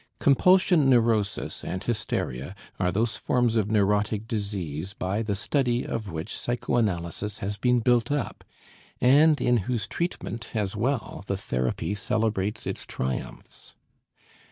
Compulsion neurosis and hysteria are those forms of neurotic disease by the study of which psychoanalysis has been built up, and in whose treatment as well the therapy celebrates its triumphs.